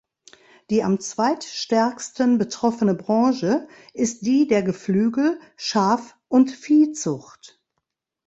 Die am zweitstärksten betroffene Branche ist die der Geflügel-, Schaf- und Viehzucht.